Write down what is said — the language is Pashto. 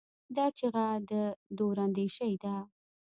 دا چیغه د دوراندیشۍ ده.